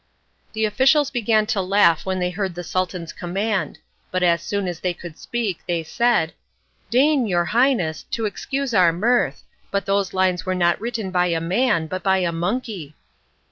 The officials began to laugh when they heard the Sultan's command, but as soon as they could speak they said, "Deign, your highness, to excuse our mirth, but those lines were not written by a man but by a monkey."